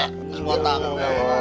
makan makan makan